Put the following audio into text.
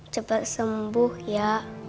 cepat sembuh ya